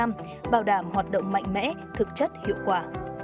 mạnh mẽ thực chất hiệu quả